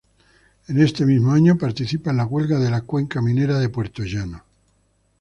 En este mismo año participa en la huelga de la cuenca minera de Puertollano.